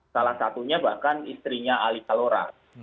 salah satunya bahkan istrinya alika lora